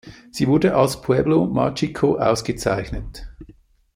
Sie wurde als Pueblo Mágico ausgezeichnet.